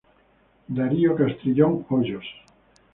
Darío Castrillón Hoyos.